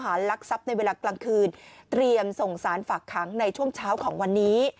ลักทรัพย์ในเวลากลางคืนเตรียมส่งสารฝากขังในช่วงเช้าของวันนี้